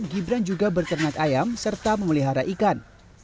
gibran juga berternak ayam serta memelihara ikan